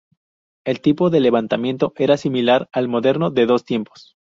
El tipo de levantamiento era similar al moderno de dos tiempos.